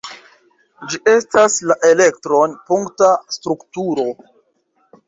Ĝi estas la elektron-punkta strukturo.